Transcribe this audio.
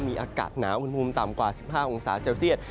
มีอากาศหนาวอุณหภูมิต่ำกว่า๑๕องศาเซลเซียต